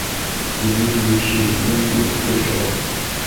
元英于是分兵围守。